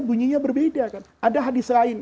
bunyinya berbeda kan ada hadis lain